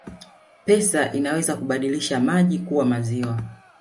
Pesa inaweza kubadilisha maji kuwa maziwa